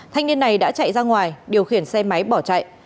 thanh niên này đã chạy ra ngoài điều khiển xe máy bỏ chạy